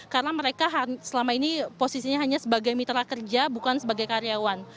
karena mereka selama ini posisinya hanya sebagai mitra kerja bukan sebagai karyawan